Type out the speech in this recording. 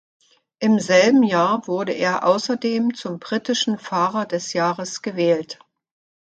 Im selben Jahr wurde er außerdem zum britischen "Fahrer des Jahres" gewählt.